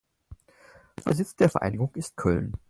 Der Sitz der Vereinigung ist Köln.